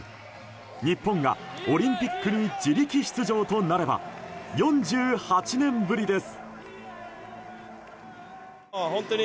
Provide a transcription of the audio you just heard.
日本がオリンピックに自力出場となれば４８年ぶりです。